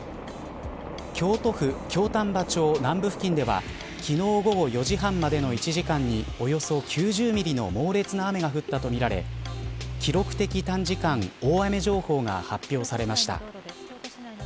京都府京丹波町南部付近では昨日午後４時半までの１時間におよそ９０ミリの猛烈な雨が降ったとみられ記録的短時間大雨情報が発表されました。